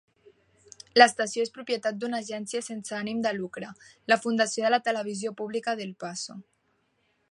L'estació és propietat d'una agència sense ànim de lucre, la Fundació de la Televisió Pública d'El Paso.